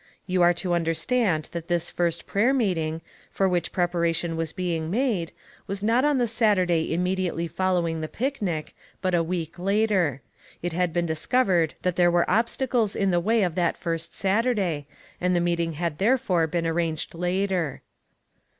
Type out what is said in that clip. You are to understand that this first prayer meeting, for which preparation was being made, was not on the Saturday immediately 262 ONE COMMONPLACE DAY. following the picnic, but a week later. It had been discovered that there were obsta cles in the way of that first Saturday, and the meeting had therefore been arranged later.